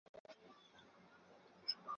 埃尔穆瓦地区拉塞勒人口变化图示